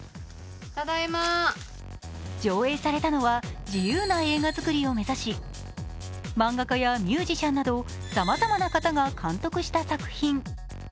上映されたのは自由な映画作りを目指し漫画家やミュージシャンなどさまざまな方が監督した作品。